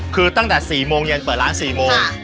คือตั้งแต่๔โมงเย็นเปิดร้าน๔โมง